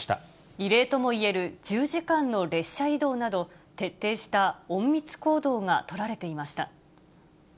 異例ともいえる１０時間の列車移動など、徹底した隠密行動が取られていました。